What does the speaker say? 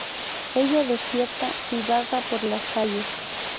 Ella despierta y vaga por las calles.